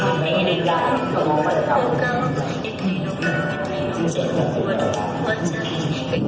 โดนค่าวใจอย่างเกลียดออกมาที่จะรู้จักว่าผมว่าจะกลับกลัว